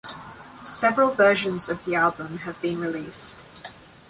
Several versions of the album have been released.